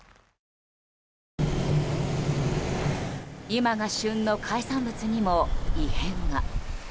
今が旬の海産物にも異変が。